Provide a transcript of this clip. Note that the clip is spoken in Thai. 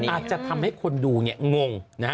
อาจจะทำให้คนดูงง